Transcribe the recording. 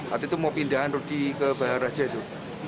waktu itu mau pindah ke bahaya raja itu